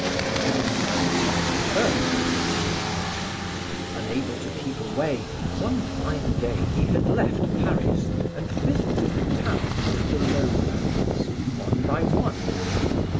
He had satisfied the first of his desires. Unable to keep away, one fine day he had left Paris and visited the towns of the Low Lands, one by one.